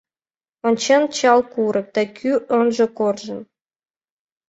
Ончен чал курык, Да кӱ оҥжо коржын.